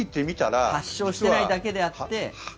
発症してないだけであって。